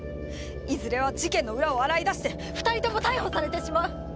いずれは事件の裏を洗い出して２人とも逮捕されてしまう。